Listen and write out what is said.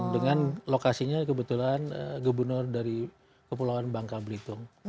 dengan lokasinya kebetulan gubernur dari kepulauan bangka belitung